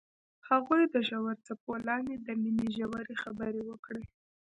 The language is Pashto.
هغوی د ژور څپو لاندې د مینې ژورې خبرې وکړې.